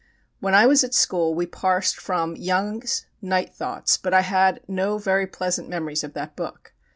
When I was at school we parsed from "Young's Night Thoughts," but I had no very pleasant memories of that book.